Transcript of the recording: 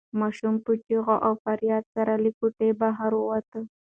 ماشوم په چیغو او فریاد سره له کوټې بهر ووت.